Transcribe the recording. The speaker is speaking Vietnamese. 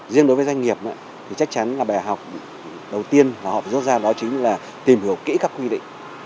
riêng đối với doanh nghiệp thì chắc chắn là bài học đầu tiên là học rút ra đó chính là tìm hiểu kỹ các quy định